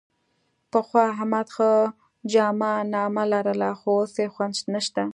پخوا احمد ښه جامه نامه لرله، خو اوس یې خوند نشته.